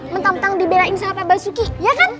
mentang tenang diberain sama pak basuki ya kan